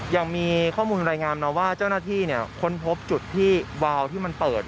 ยังมีข้อมูลรายงานมาว่าเจ้าหน้าที่ค้นพบจุดที่วาวที่มันเปิด